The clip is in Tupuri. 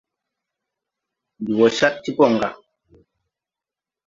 Ndi wo Cad ti boŋ ga.